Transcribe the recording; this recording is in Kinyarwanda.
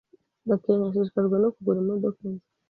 Gakenke ashishikajwe no kugura imodoka nshya.